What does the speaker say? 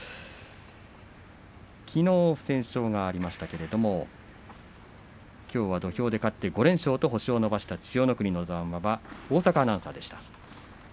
きのう不戦勝がありましたけれどもきょうは土俵で勝って５連勝と星を伸ばした千代の国の談話でした。